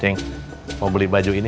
yang mau beli baju ini